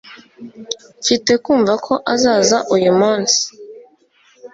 Mfite kumva ko azaza uyu munsi